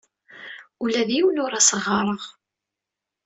Ula d yiwen ur as-ɣɣareɣ.